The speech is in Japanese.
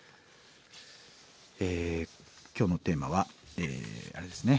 今日のテーマはあれですね